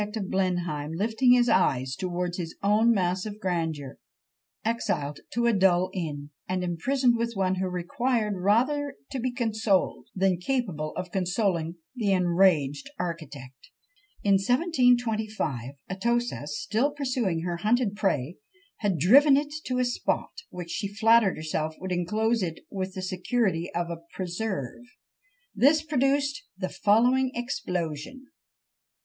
The architect of Blenheim, lifting his eyes towards his own massive grandeur, exiled to a dull inn, and imprisoned with one who required rather to be consoled, than capable of consoling the enraged architect! In 1725, Atossa still pursuing her hunted prey, had driven it to a spot which she flattered herself would enclose it with the security of a preserve. This produced the following explosion!